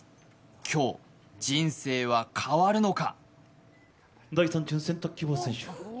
今日、人生は変わるのか？